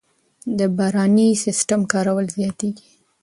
د باراني سیستم کارول زیاتېږي.